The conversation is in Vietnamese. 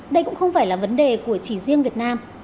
đây cũng không phải là vấn đề của chỉ riêng việt nam